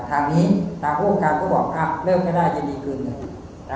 ทางนี้ทางภูมิการก็บอกเริ่มให้ได้ยินดีกันเลย